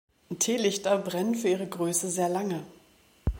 Teelichter brennen für ihre Größe sehr lange.